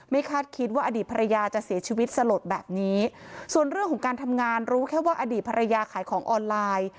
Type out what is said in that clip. คาดคิดว่าอดีตภรรยาจะเสียชีวิตสลดแบบนี้ส่วนเรื่องของการทำงานรู้แค่ว่าอดีตภรรยาขายของออนไลน์